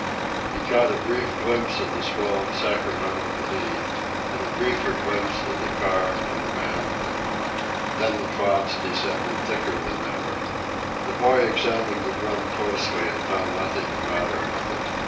He caught a brief glimpse of the swollen Sacramento beneath, and a briefer glimpse of the car and the man and woman. Then the clouds descended thicker than ever. The boy examined the drum closely, and found nothing the matter with it.